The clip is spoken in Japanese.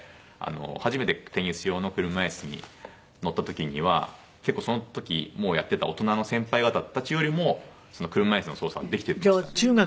初めてテニス用の車いすに乗った時には結構その時もうやってた大人の先輩方たちよりも車いすの操作はできてましたね。